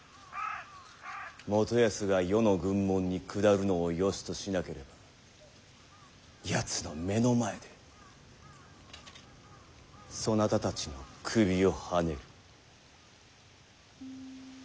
元康が余の軍門に下るのをよしとしなければやつの目の前でそなたたちの首をはねる。